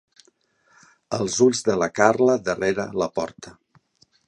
Els ulls de la Carla darrere la porta.